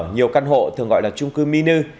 nhiều căn hộ thường gọi là chung cư mini